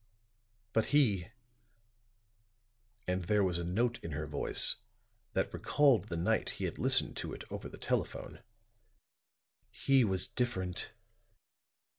But he," and there was a note in her voice that recalled the night he had listened to it over the telephone, "he was different.